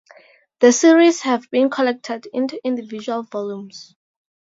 The series has been collected into individual volumes.